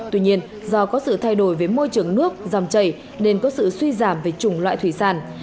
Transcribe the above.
tuy nhiên do có sự thay đổi về môi trường nước dòng chảy nên có sự suy giảm về chủng loại thủy sản